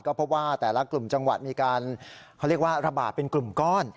ก็เพราะว่าแต่ละกลุ่มจังหวัดมีการระบาดเป็นกลุ่มก้อน